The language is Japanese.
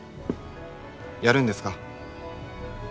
やるんですか。